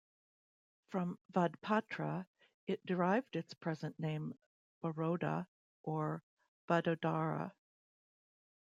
From Vadpatra it derived its present name Baroda or Vadodara.